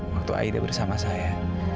waktu aida bersama saya